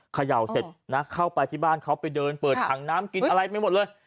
เข้าไปที่บ้านเค้าไปเดินเปิดถังน้ำกินอะไรจะไม่หมดเลย